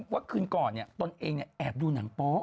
ว่าคืนก่อนตนเองแอบดูหนังโป๊ะ